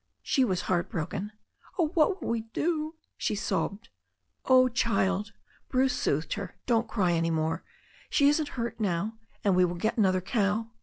She was heart broken. "Oh, what will we do?" she sobbed. "Oh, child," Bruce soothed her, "don't cry any more. She isn't hurt now. And we will get another cow."